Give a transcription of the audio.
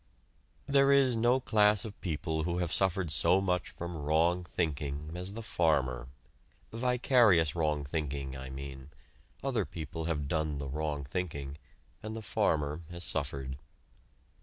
There is no class of people who have suffered so much from wrong thinking as the farmer; vicarious wrong thinking, I mean; other people have done the wrong thinking, and the farmer has suffered.